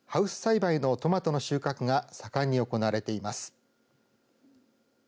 北斗市でハウス栽培のトマトの収穫が盛んに行われています。